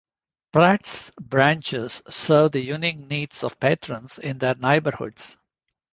Pratt's branches serve the unique needs of patrons in their neighborhoods.